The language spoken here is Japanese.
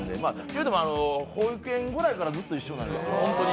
言うても、保育園ぐらいからずっと一緒なんですよ。